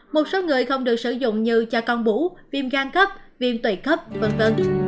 một số người không được sử dụng như cho con bú viêm gan cấp viêm tủy cấp v v